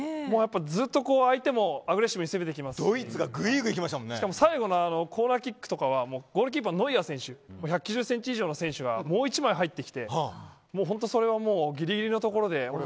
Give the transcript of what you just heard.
ずっと相手もアグレッシブに攻めてきますし最後のコーナキックとかはゴールキーパー、ノイアー選手。１９０センチ以上の選手がもう１枚入ってきてそれはぎりぎりのところで。